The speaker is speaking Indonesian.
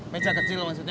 meja kecil maksudnya